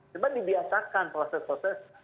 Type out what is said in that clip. cuma dibiasakan proses proses